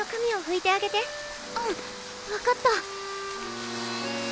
うん分かった。